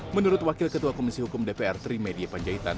menurut wakil ketua komisi hukum dpr trimedia panjaitan